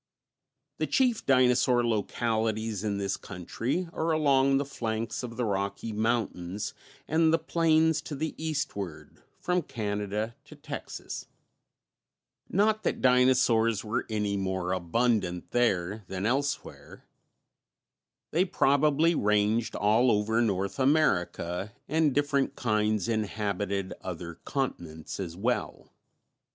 _ The chief dinosaur localities in this country are along the flanks of the Rocky Mountains and the plains to the eastward, from Canada to Texas. Not that dinosaurs were any more abundant there than elsewhere. They probably ranged all over North America, and different kinds inhabited other continents as well.